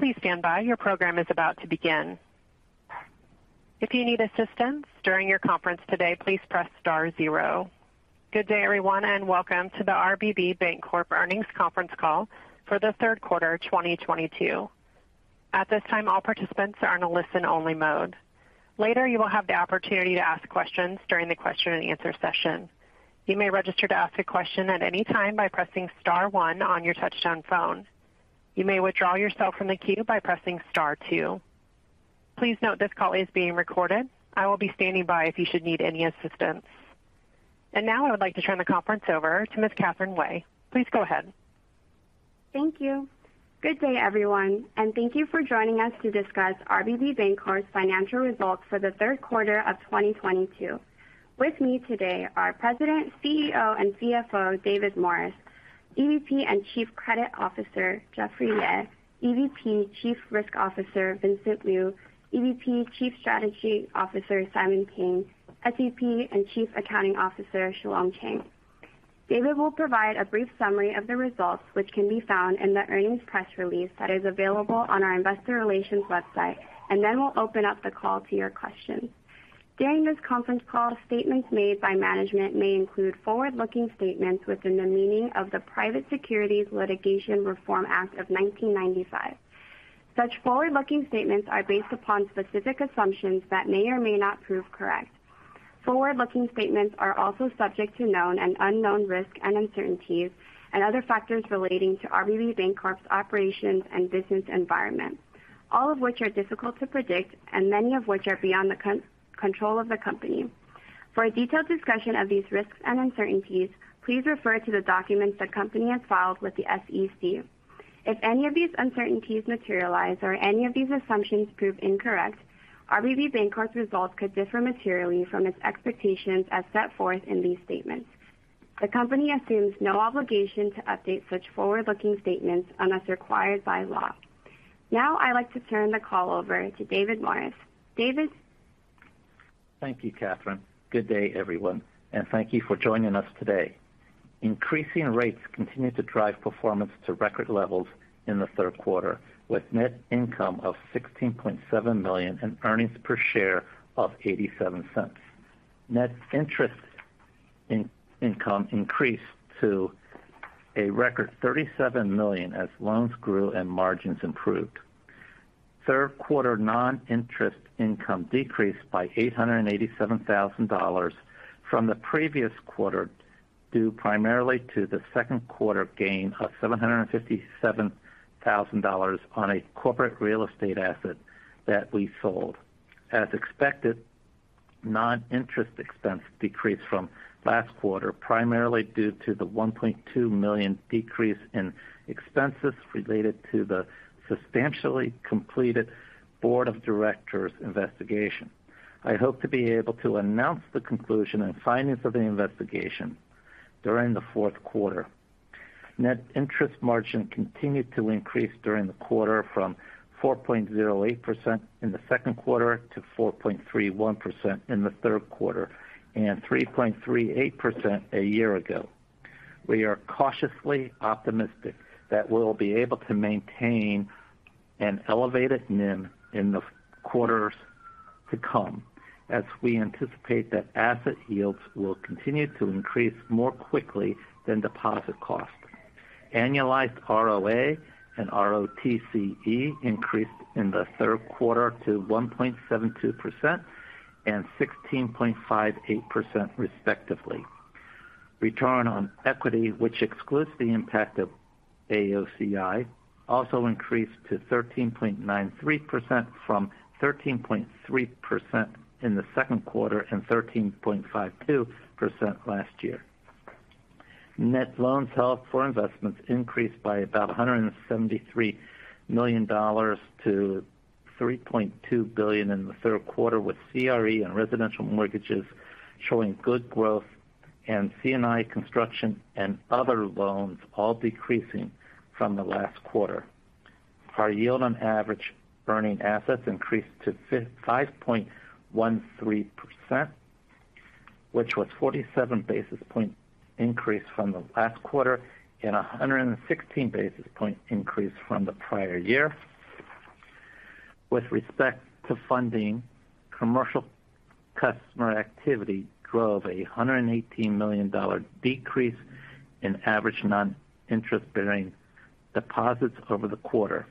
Please stand by. Your program is about to begin. If you need assistance during your conference today, please press star zero. Good day, everyone, and welcome to the RBB Bancorp earnings conference call for the third quarter of 2022. At this time, all participants are in a listen only mode. Later, you will have the opportunity to ask questions during the question and answer session. You may register to ask a question at any time by pressing star one on your touch-tone phone. You may withdraw yourself from the queue by pressing star two. Please note this call is being recorded. I will be standing by if you should need any assistance. Now I would like to turn the conference over to Ms. Catherine Wei. Please go ahead. Thank you. Good day, everyone, and thank you for joining us to discuss RBB Bancorp's financial results for the third quarter of 2022. With me today are President, CEO, and CFO, David Morris; EVP and Chief Credit Officer Jeffrey Yeh; EVP, Chief Risk Officer Vincent Liu; EVP, Chief Strategy Officer Simon Pang; SVP and Chief Accounting Officer Shalom Chang. David will provide a brief summary of the results, which can be found in the earnings press release that is available on our investor relations website. We'll open up the call to your questions. During this conference call, statements made by management may include forward-looking statements within the meaning of the Private Securities Litigation Reform Act of 1995. Such forward-looking statements are based upon specific assumptions that may or may not prove correct. Forward-looking statements are also subject to known and unknown risks and uncertainties and other factors relating to RBB Bancorp's operations and business environment, all of which are difficult to predict and many of which are beyond the control of the company. For a detailed discussion of these risks and uncertainties, please refer to the documents the company has filed with the SEC. If any of these uncertainties materialize or any of these assumptions prove incorrect, RBB Bancorp's results could differ materially from its expectations as set forth in these statements. The company assumes no obligation to update such forward-looking statements unless required by law. Now I'd like to turn the call over to David Morris. David? Thank you, Catherine. Good day, everyone, and thank you for joining us today. Increasing rates continued to drive performance to record levels in the third quarter, with net income of $16.7 million and earnings per share of $0.87. Net interest income increased to a record $37 million as loans grew and margins improved. Third quarter non-interest income decreased by $887,000 from the previous quarter, due primarily to the second quarter gain of $757,000 on a corporate real estate asset that we sold. As expected, non-interest expense decreased from last quarter, primarily due to the $1.2 million decrease in expenses related to the substantially completed board of directors investigation. I hope to be able to announce the conclusion and findings of the investigation during the fourth quarter. Net interest margin continued to increase during the quarter from 4.08% in the second quarter to 4.31% in the third quarter and 3.38% a year ago. We are cautiously optimistic that we'll be able to maintain an elevated NIM in the quarters to come as we anticipate that asset yields will continue to increase more quickly than deposit costs. Annualized ROA and ROTCE increased in the third quarter to 1.72% and 16.58% respectively. Return on equity, which excludes the impact of AOCI, also increased to 13.93% from 13.3% in the second quarter and 13.52% last year. Net loans held for investments increased by about $173 million to $3.2 billion in the third quarter, with CRE and residential mortgages showing good growth and C&I construction and other loans all decreasing from the last quarter. Our yield on average earning assets increased to 5.13%, which was 47 basis point increase from the last quarter and a 116 basis point increase from the prior year. With respect to funding, commercial customer activity drove a $118 million decrease in average non-interest-bearing deposits over the quarter.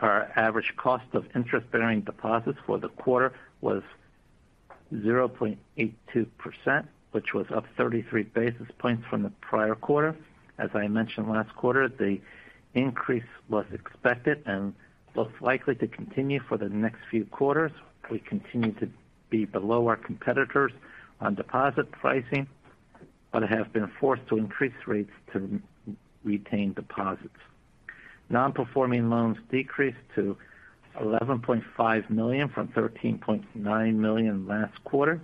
Our average cost of interest-bearing deposits for the quarter was 0.82%, which was up 33 basis points from the prior quarter. As I mentioned last quarter, the increase was expected and most likely to continue for the next few quarters. We continue to be below our competitors on deposit pricing but have been forced to increase rates to maintain deposits. Non-performing loans decreased to $11.5 million from $13.9 million last quarter.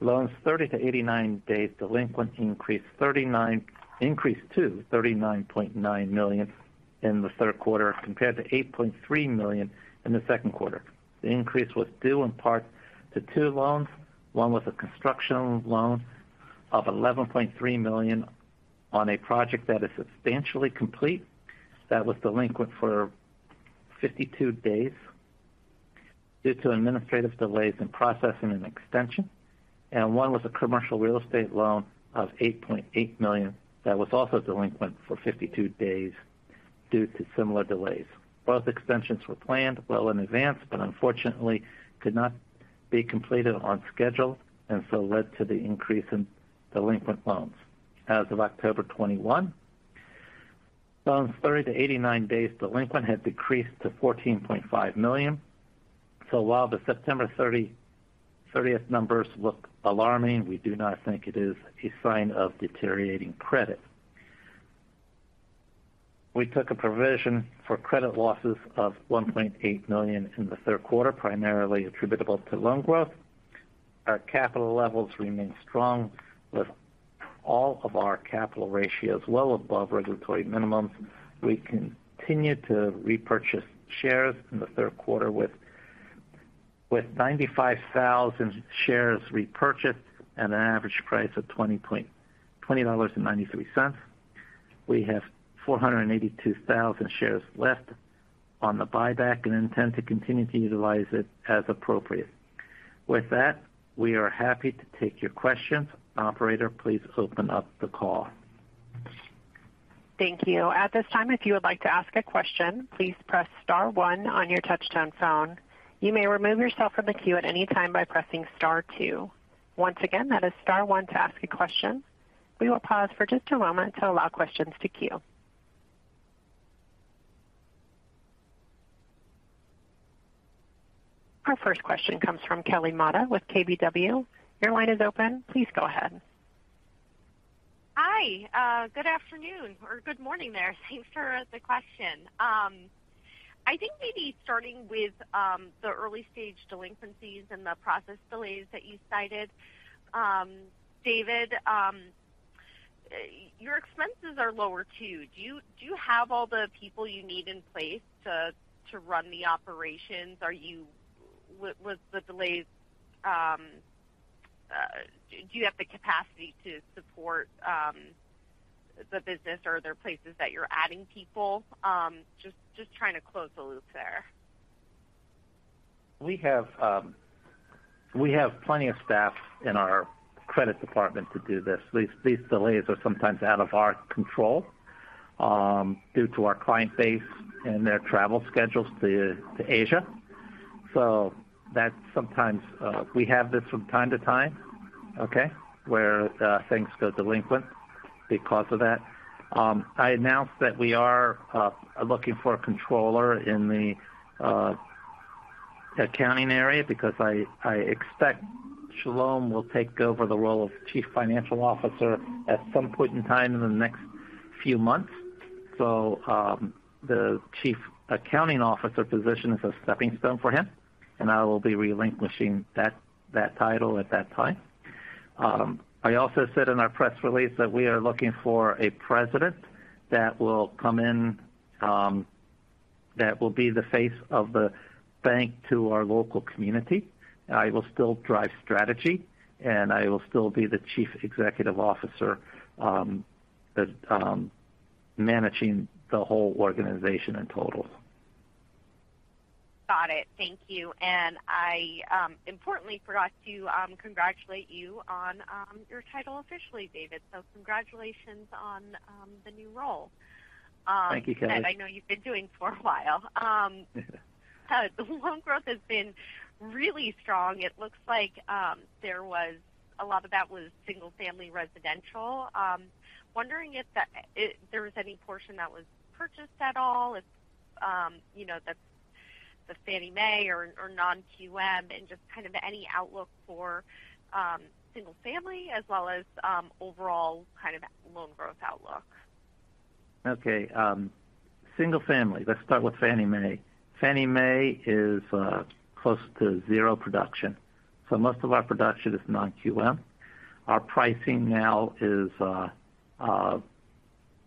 Loans 30 to 89 days delinquent increased to $39.9 million in the third quarter compared to $8.3 million in the second quarter. The increase was due in part to two loans. One was a construction loan of $11.3 million on a project that is substantially complete that was delinquent for 52 days due to administrative delays in processing an extension. One was a commercial real estate loan of $8.8 million that was also delinquent for 52 days due to similar delays. Both extensions were planned well in advance, but unfortunately could not be completed on schedule and so led to the increase in delinquent loans. As of October 21, loans 30 to 89 days delinquent had decreased to $14.5 million. While the September 30th numbers look alarming, we do not think it is a sign of deteriorating credit. We took a provision for credit losses of $1.8 million in the third quarter, primarily attributable to loan growth. Our capital levels remain strong with all of our capital ratios well above regulatory minimums. We continued to repurchase shares in the third quarter with 95,000 shares repurchased at an average price of $20.93. We have 482,000 shares left on the buyback and intend to continue to utilize it as appropriate. With that, we are happy to take your questions. Operator, please open up the call. Thank you. At this time, if you would like to ask a question, please press star one on your touch-tone phone. You may remove yourself from the queue at any time by pressing star two. Once again, that is star one to ask a question. We will pause for just a moment to allow questions to queue. Our first question comes from Kelly Motta with KBW. Your line is open. Please go ahead. Hi, good afternoon or good morning there. Thanks for the question. I think maybe starting with the early stage delinquencies and the process delays that you cited, David, your expenses are lower too. Do you have all the people you need in place to run the operations? With the delays, do you have the capacity to support the business or are there places that you're adding people? Just trying to close the loop there. We have plenty of staff in our credit department to do this. These delays are sometimes out of our control, due to our client base and their travel schedules to Asia. That's sometimes we have this from time to time, okay? Where things go delinquent because of that. I announced that we are looking for a controller in the accounting area because I expect Shalom will take over the role of Chief Financial Officer at some point in time in the next few months. The Chief Accounting Officer position is a stepping stone for him, and I will be relinquishing that title at that time. I also said in our press release that we are looking for a president that will come in, that will be the face of the bank to our local community. I will still drive strategy, and I will still be the Chief Executive Officer managing the whole organization in total. Got it. Thank you. I importantly forgot to congratulate you on your title officially, David. Congratulations on the new role. Thank you, Kelly. That I know you've been doing for a while. The loan growth has been really strong. It looks like there was a lot of that was single family residential. Wondering if there was any portion that was purchased at all, if you know, the Fannie Mae or non-QM and just kind of any outlook for single family as well as overall kind of loan growth outlook. Okay. Single family. Let's start with Fannie Mae. Fannie Mae is close to zero production, so most of our production is non-QM. Our pricing now is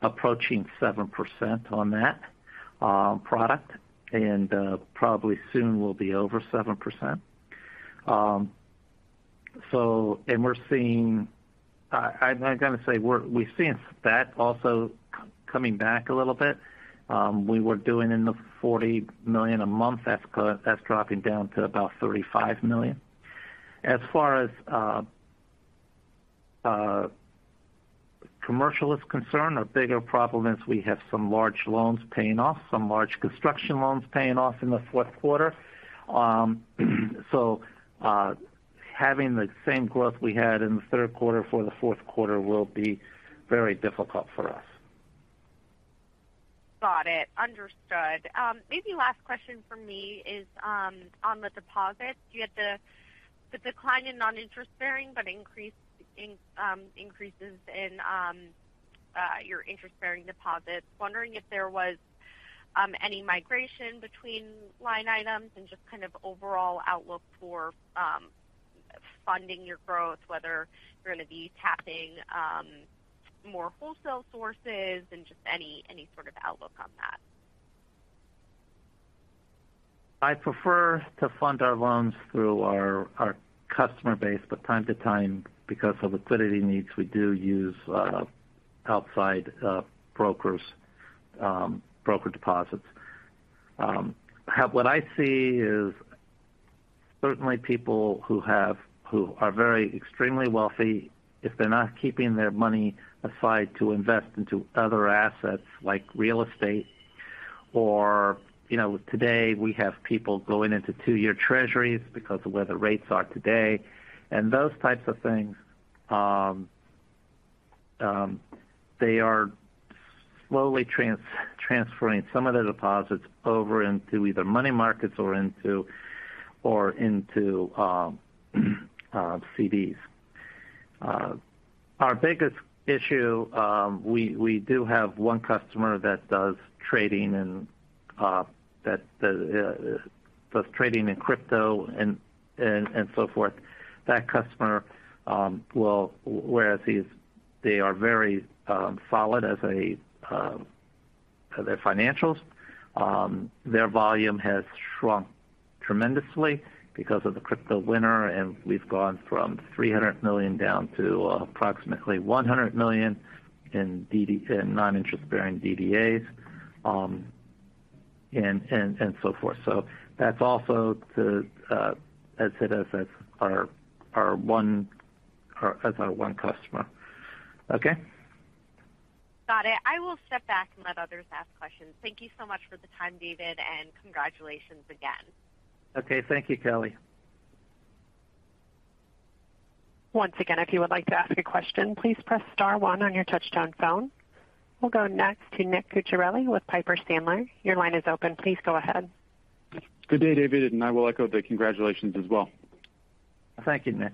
approaching 7% on that product and probably soon will be over 7%. We've seen that also coming back a little bit. We were doing $40 million a month. That's dropping down to about $35 million. As far as commercial is concerned, a bigger problem is we have some large loans paying off, some large construction loans paying off in the fourth quarter. Having the same growth we had in the third quarter for the fourth quarter will be very difficult for us. Got it. Understood. Maybe last question from me is on the deposits. You had the decline in non-interest bearing, but increase in your interest-bearing deposits. Wondering if there was any migration between line items and just kind of overall outlook for funding your growth, whether you're gonna be tapping more wholesale sources and just any sort of outlook on that. I prefer to fund our loans through our customer base, but from time to time, because of liquidity needs, we do use outside brokers, broker deposits. What I see is certainly people who are very extremely wealthy, if they're not keeping their money aside to invest into other assets like real estate, or, you know, today we have people going into two-year treasuries because of where the rates are today and those types of things. They are slowly transferring some of their deposits over into either money markets or into CDs. Our biggest issue, we do have one customer that does trading and that does trading in crypto and so forth. That customer, they are very solid, as are their financials, their volume has shrunk tremendously because of the crypto winter. We've gone from $300 million down to approximately $100 million in non-interest bearing DDAs, and so forth. That's also, I'd say, our one customer. Okay? Got it. I will step back and let others ask questions. Thank you so much for the time, David, and congratulations again. Okay. Thank you, Kelly. Once again, if you would like to ask a question, please press star one on your touch-tone phone. We'll go next to Nick Cucharale with Piper Sandler. Your line is open. Please go ahead. Good day, David. I will echo the congratulations as well. Thank you, Nick.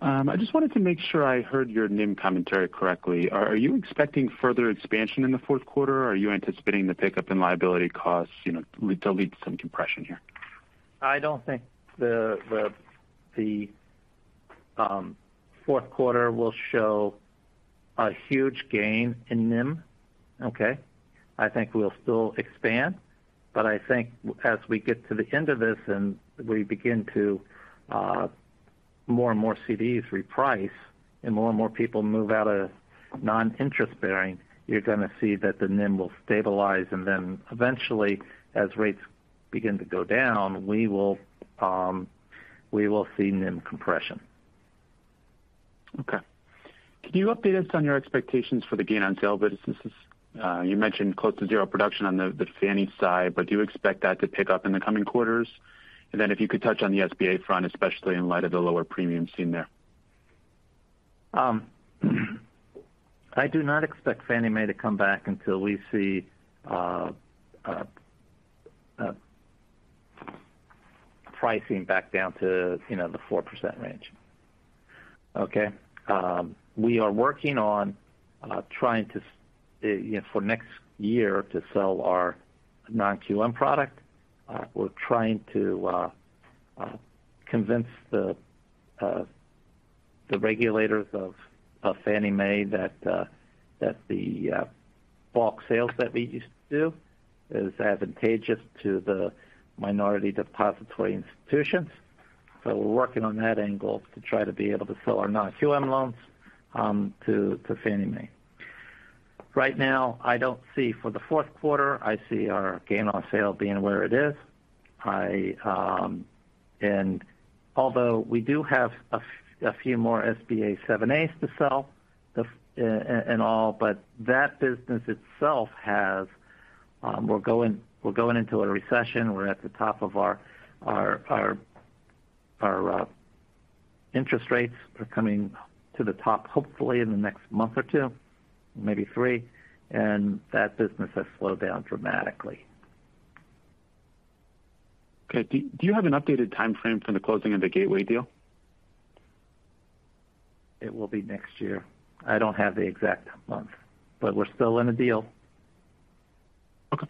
I just wanted to make sure I heard your NIM commentary correctly. Are you expecting further expansion in the fourth quarter, or are you anticipating the pickup in liability costs, you know, to lead some compression here? I don't think the fourth quarter will show a huge gain in NIM. Okay? I think we'll still expand, but I think as we get to the end of this, and we begin to more and more CDs reprice and more and more people move out of non-interest bearing, you're gonna see that the NIM will stabilize. Then eventually, as rates begin to go down, we will see NIM compression. Okay. Can you update us on your expectations for the gain on sale businesses? You mentioned close to zero production on the Fannie side, but do you expect that to pick up in the coming quarters? If you could touch on the SBA front, especially in light of the lower premiums seen there. I do not expect Fannie Mae to come back until we see pricing back down to, you know, the 4% range. Okay. We are working on trying to, you know, for next year to sell our non-QM product. We're trying to convince the regulators of Fannie Mae that the bulk sales that we used to do is advantageous to the minority depository institutions. We're working on that angle to try to be able to sell our non-QM loans to Fannie Mae. Right now, I don't see for the fourth quarter, I see our gain on sale being where it is. Although we do have a few more SBA 7(a)s to sell and all, but that business itself has. We're going into a recession. We're at the top. Our interest rates are coming to the top, hopefully in the next month or two, maybe three. That business has slowed down dramatically. Okay. Do you have an updated timeframe for the closing of the Gateway deal? It will be next year. I don't have the exact month, but we're still in a deal. Okay.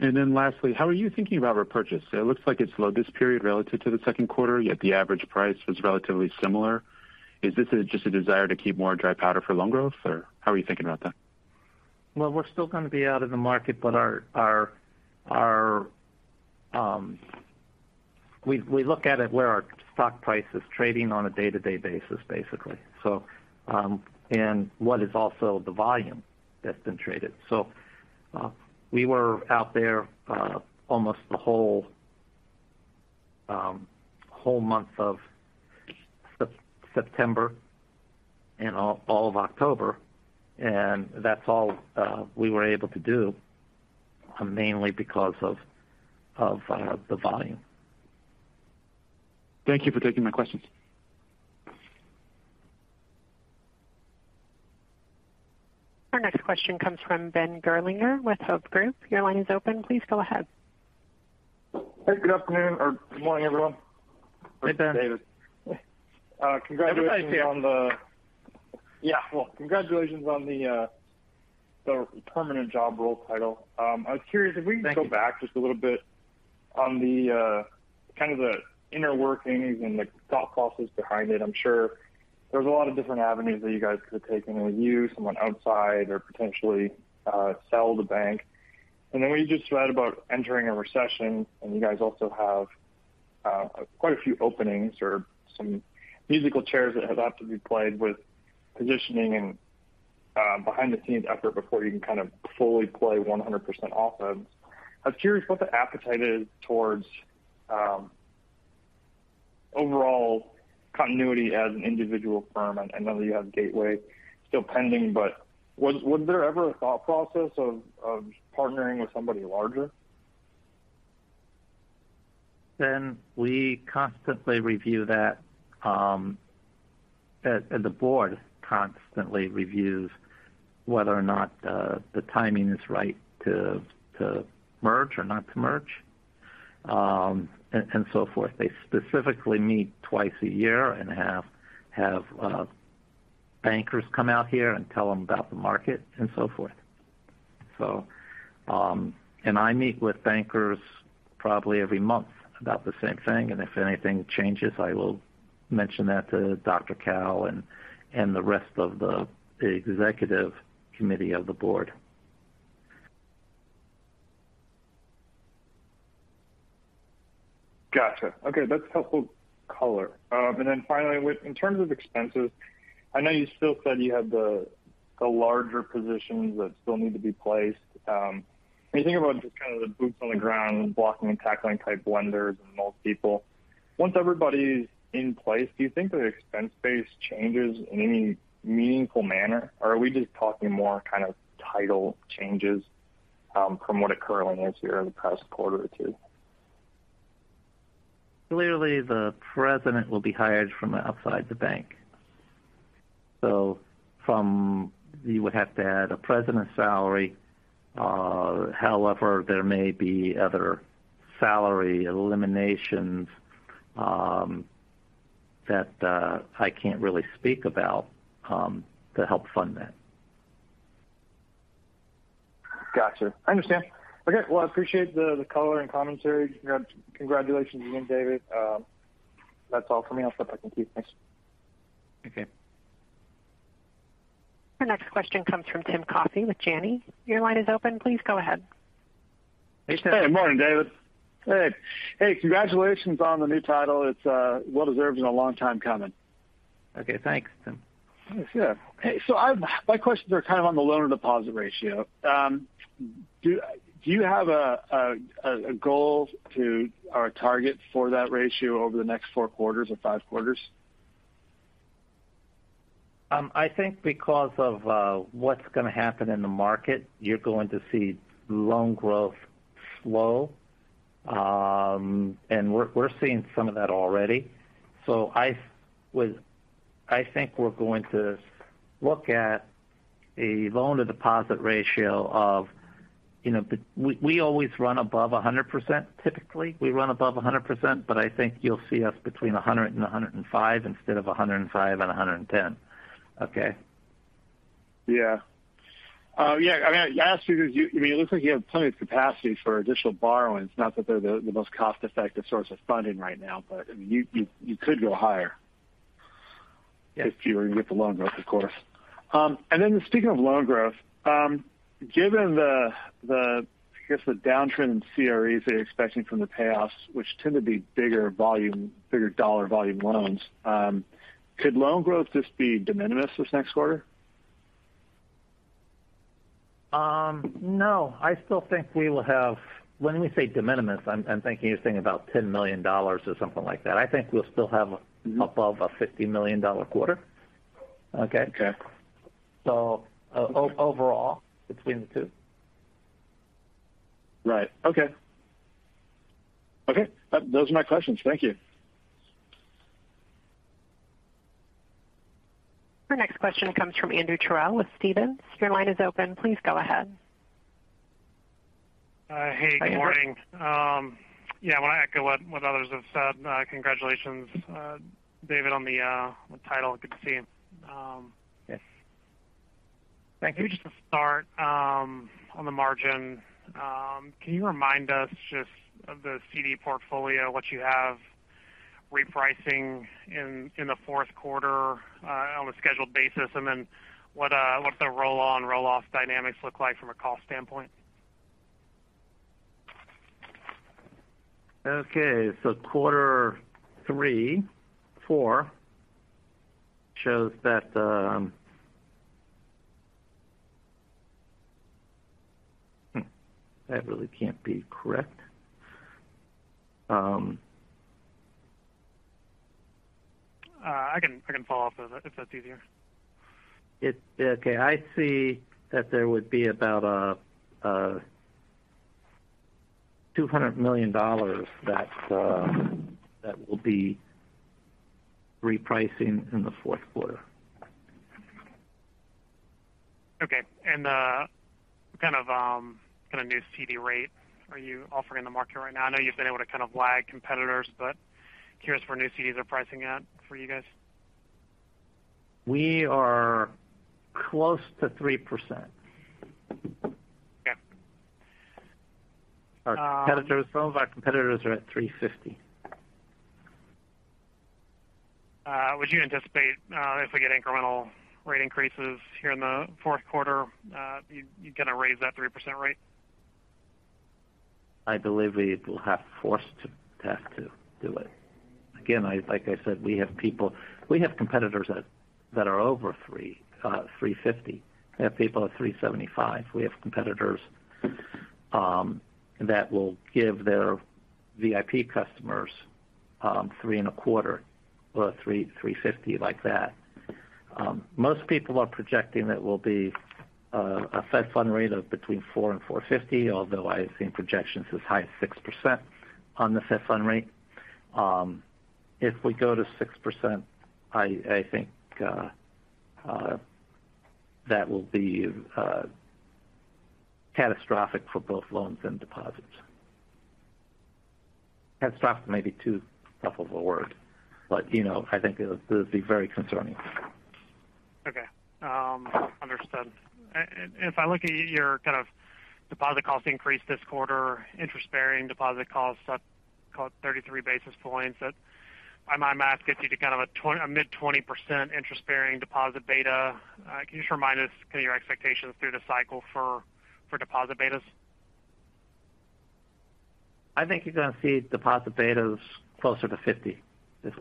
Lastly, how are you thinking about repurchase? It looks like it's slowed this period relative to the second quarter, yet the average price was relatively similar. Is this just a desire to keep more dry powder for loan growth, or how are you thinking about that? Well, we're still gonna be out of the market, but we look at it where our stock price is trading on a day-to-day basis, basically, and what is also the volume that's been traded. We were out there almost the whole month of September and all of October. That's all we were able to do, mainly because of the volume. Thank you for taking my questions. Our next question comes from Ben Gerlinger with Hovde Group. Your line is open. Please go ahead. Hey, good afternoon or good morning, everyone. Hey, Ben. David. Hey. Congratulations. Have a nice day. Yeah. Well, congratulations on the permanent job role title. I was curious if we- Thank you. Could go back just a little bit on the. Kind of the inner workings and the thought processes behind it. I'm sure there's a lot of different avenues that you guys could have taken with you, someone outside or potentially sell the bank. Then when you just read about entering a recession, and you guys also have quite a few openings or some musical chairs that have to be played with positioning and behind-the-scenes effort before you can kind of fully play 100% offense. I was curious what the appetite is toward overall continuity as an individual firm. I know that you have Gateway still pending, but was there ever a thought process of partnering with somebody larger? We constantly review that, and the board constantly reviews whether or not the timing is right to merge or not to merge, and so forth. They specifically meet twice a year and have bankers come out here and tell them about the market and so forth. I meet with bankers probably every month about the same thing, and if anything changes, I will mention that to Dr. Kao and the rest of the executive committee of the board. Gotcha. Okay. That's helpful color. Finally, in terms of expenses, I know you still said you had the larger positions that still need to be placed. When you think about just kind of the boots on the ground, blocking and tackling type lenders and most people. Once everybody's in place, do you think the expense base changes in any meaningful manner, or are we just talking more kind of title changes from what it currently is here in the past quarter or two? Clearly, the president will be hired from outside the bank. You would have to add a president's salary. However, there may be other salary eliminations that I can't really speak about to help fund that. Gotcha. I understand. Okay. Well, I appreciate the color and commentary. Congratulations again, David. That's all for me. I'll step back in queue. Thanks. Okay. Our next question comes from Tim Coffey with Janney. Your line is open. Please go ahead. Hey, Tim. Hey. Morning, David. Hey. Hey, congratulations on the new title. It's well deserved and a long time coming. Okay. Thanks, Tim. Yeah. Hey, so my questions are kind of on the loan-to-deposit ratio. Do you have a goal to or a target for that ratio over the next four quarters or five quarters? I think because of what's gonna happen in the market, you're going to see loan growth slow. We're seeing some of that already. I think we're going to look at a loan-to-deposit ratio of, you know, we always run above 100%. Typically, we run above 100%, but I think you'll see us between 100% and 105% instead of 105% and 110%. Okay? Yeah. Yeah. I mean, I ask you because I mean, it looks like you have plenty of capacity for additional borrowings, not that they're the most cost-effective source of funding right now. I mean, you could go higher. Yes. If you were to get the loan growth, of course. Speaking of loan growth, given the I guess, the downtrend in CREs that you're expecting from the payoffs, which tend to be bigger volume, bigger dollar volume loans, could loan growth just be de minimis this next quarter? No. I still think we will have, when we say de minimis, I'm thinking, you're thinking about $10 million or something like that. I think we'll still have. Mm-hmm. Above a $50 million quarter. Okay? Okay. Overall between the two. Right. Okay. Those are my questions. Thank you. Our next question comes from Andrew Terrell with Stephens. Your line is open. Please go ahead. Hi, Andrew. Hey, good morning. Yeah, I want to echo what others have said. Congratulations, David, on the title. Good to see you. Yes. Thank you. Maybe just to start, on the margin. Can you remind us just of the CD portfolio, what you have repricing in the fourth quarter on a scheduled basis? Then what the roll-on/roll-off dynamics look like from a cost standpoint? Okay. Quarter three, four shows that. That really can't be correct. I can follow up if that's easier. Yeah. Okay. I see that there would be about $200 million that that we'll be repricing in the fourth quarter. Okay. What kind of new CD rates are you offering in the market right now? I know you've been able to kind of lag competitors, but curious where new CDs are pricing at for you guys. We are close to 3%. Our competitors, some of our competitors are at 3.50%. Would you anticipate, if we get incremental rate increases here in the fourth quarter, you gonna raise that 3% rate? I believe we will be forced to have to do it. Again, like I said, we have people, we have competitors that are over 3.50%. We have people at 3.75%. We have competitors that will give their VIP customers 3.25% or 3.50% like that. Most people are projecting it will be a fed fund rate of between 4% and 4.50%, although I have seen projections as high as 6% on the fed fund rate. If we go to 6%, I think that will be catastrophic for both loans and deposits. Catastrophic may be too tough of a word, but you know, I think it'll be very concerning. Okay. Understood. If I look at your kind of deposit cost increase this quarter, interest bearing deposit costs up, call it 33 basis points. That by my math gets you to kind of a mid-20% interest bearing deposit beta. Can you just remind us kind of your expectations through the cycle for deposit betas? I think you're gonna see deposit betas closer to 50% this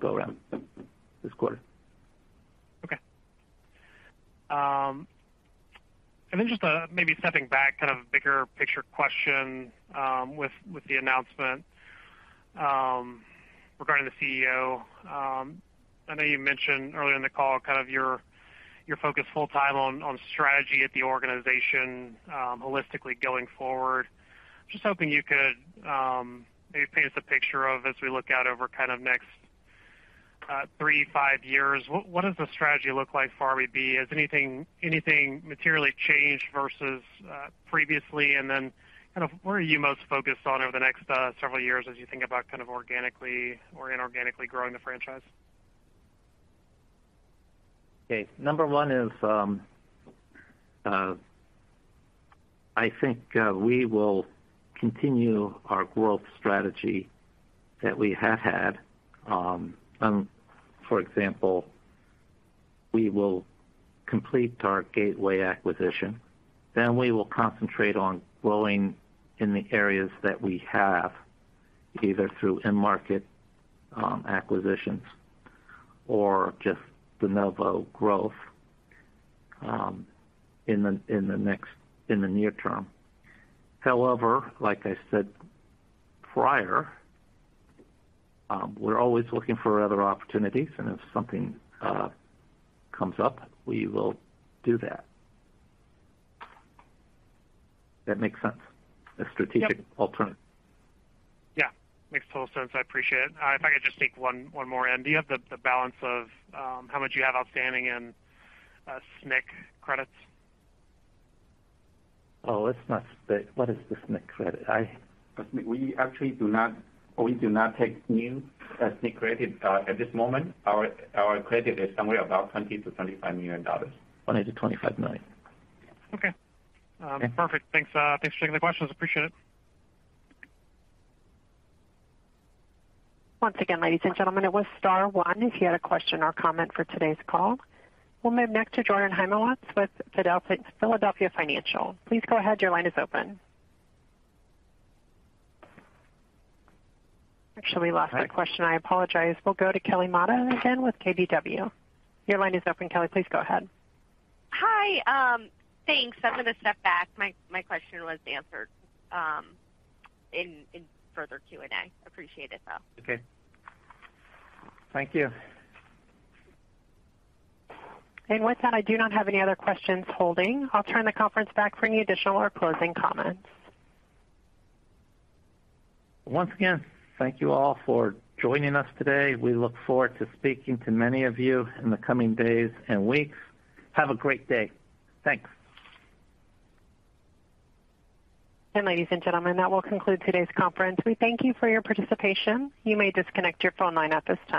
quarter. Okay. Just a maybe stepping back kind of bigger picture question, with the announcement regarding the CEO. I know you mentioned earlier in the call kind of your focus full-time on strategy at the organization, holistically going forward. Just hoping you could maybe paint us a picture of as we look out over kind of next three to five years, what does the strategy look like for RB? Has anything materially changed versus previously? What are you most focused on over the next several years as you think about kind of organically or inorganically growing the franchise? Okay. Number one is, we will continue our growth strategy that we have had. For example, we will complete our Gateway acquisition, then we will concentrate on growing in the areas that we have, either through in-market acquisitions or just de novo growth in the near term. However, like I said prior, we're always looking for other opportunities, and if something comes up, we will do that. That makes sense, the strategic- Yep. Alternative. Yeah, makes total sense. I appreciate it. If I could just sneak one more in. Do you have the balance of how much you have outstanding in SNC credits? What is the SNC credit? The SNC. We actually do not take new SNC credit at this moment. Our credit is somewhere about $20 million-$25 million. $20 million-$25 million. Okay. Yeah. Perfect. Thanks. Thanks for taking the questions. Appreciate it. Once again, ladies and gentlemen, it's star one if you had a question or comment for today's call. We'll move next to Jordan Hymowitz with Philadelphia Financial. Please go ahead. Your line is open. Actually, we lost that question. I apologize. We'll go to Kelly Motta again with KBW. Your line is open, Kelly. Please go ahead. Hi. Thanks. I'm gonna step back. My question was answered in further Q&A. Appreciate it, though. Okay. Thank you. With that, I do not have any other questions holding. I'll turn the conference back for any additional or closing comments. Once again, thank you all for joining us today. We look forward to speaking to many of you in the coming days and weeks. Have a great day. Thanks. Ladies and gentlemen, that will conclude today's conference. We thank you for your participation. You may disconnect your phone line at this time.